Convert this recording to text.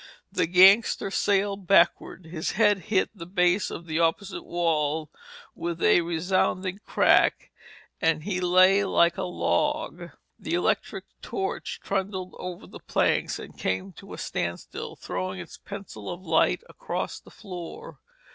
The gangster sailed backward. His head hit the base of the opposite wall with a resounding crack and he lay like a log. The electric torch trundled over the planks and came to a standstill, throwing its pencil of light across the floor.